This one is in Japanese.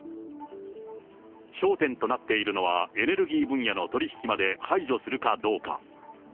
焦点となっているのは、エネルギー分野の取り引きまで排除するかどうか。